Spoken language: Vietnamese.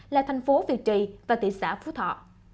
là thành phố việt trì và thị xã phú thọ